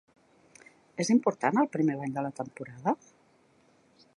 És important el primer bany de la temporada?